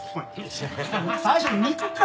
最初肉か！